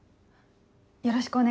よろしくお願いします。